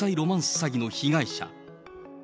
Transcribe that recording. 詐欺の被害者。